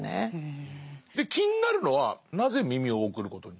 で気になるのはなぜ耳を送ることに？